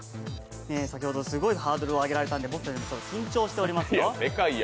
先ほどすごいハードルを上げられたので僕たちもちょっと緊張しておりますよ。